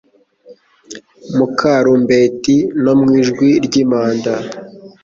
mu karumbeti no mu ijwi ry’impanda